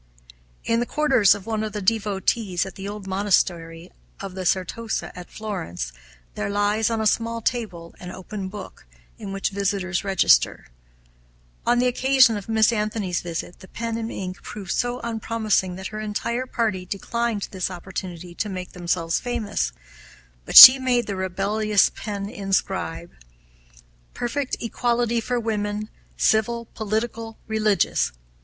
In the quarters of one of the devotees, at the old monastery of the Certosa, at Florence, there lies, on a small table, an open book, in which visitors register. On the occasion of Miss Anthony's visit the pen and ink proved so unpromising that her entire party declined this opportunity to make themselves famous, but she made the rebellious pen inscribe, "Perfect equality for women, civil, political, religious.